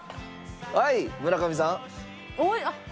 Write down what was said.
はい村上さん。